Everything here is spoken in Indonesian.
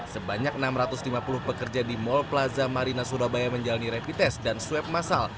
sebanyak enam ratus lima puluh pekerja di mall plaza marina surabaya menjalani rapid test dan swab masal